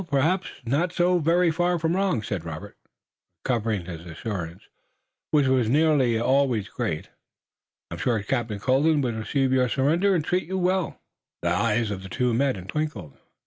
"Perhaps you're not so very far wrong," said Robert, recovering his assurance, which was nearly always great. "I'm sure Captain Colden would receive your surrender and treat you well." The eyes of the two met and twinkled.